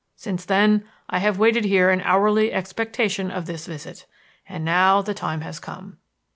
Since then, I have waited here in hourly expectation of this visit. And now the time has come.